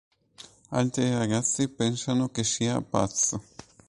Altri ragazzi pensano che sia pazzo.